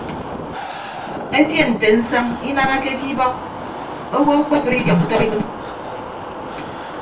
Etie nte nsañ inanake ke ibọk owo ekpebre idiọñ ọtọk ikịm.